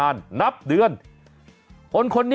จัดกระบวนพร้อมกัน